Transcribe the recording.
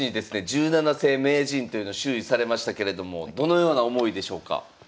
十七世名人というのを襲位されましたけれどもどのような思いでしょうか？